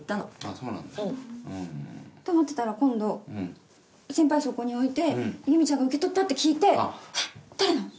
そうなんだ。って思ってたら今度先輩そこに置いて由美ちゃんが受け取ったって聞いて「えっ誰の？